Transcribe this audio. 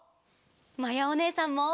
まやおねえさんも。